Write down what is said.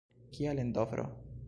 Kial en Dovro?